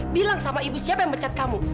bilang sama ibu siapa yang mecat kamu